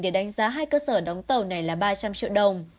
để đánh giá hai cơ sở đóng tàu này là ba trăm linh triệu đồng